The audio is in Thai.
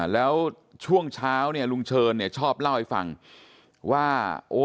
แล้วช่วงเช้าลุงเชิญชอบเล่าให้ฟังว่า